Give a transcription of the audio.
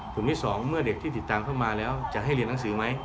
กลุ่มที่๒เมื่อเด็กที่ติดตามเข้ามาแล้วจะให้เรียนหนังสือไหม